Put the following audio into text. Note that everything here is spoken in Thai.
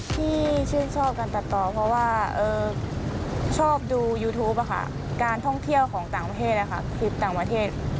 ที่ชื่นชอบการตัดต่อเพราะว่าชอบดูยูทูปการท่องเที่ยวของต่างประเทศคลิปต่างประเทศ